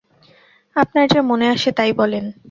আপনার যা মনে আসে তাই বলেন।